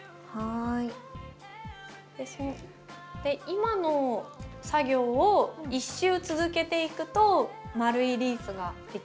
今の作業を１周続けていくと丸いリースが出来上がるんですね。